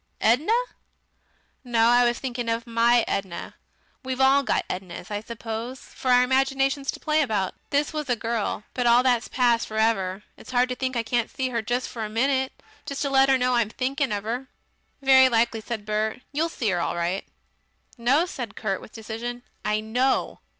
Edna?" "No. I was thinking of MY Edna. We've all got Ednas, I suppose, for our imaginations to play about. This was a girl. But all that's past for ever. It's hard to think I can't see her just for a minute just let her know I'm thinking of her." "Very likely," said Bert, "you'll see 'er all right." "No," said Kurt with decision, "I KNOW."